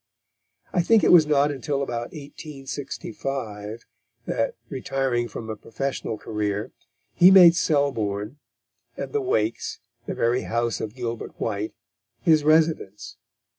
I think it was not until about 1865 that, retiring from a professional career, he made Selborne and the Wakes, the very house of Gilbert White his residence.